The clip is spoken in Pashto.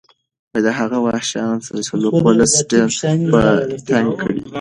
د هغه وحشیانه سلوک ولس ډېر په تنګ کړی و.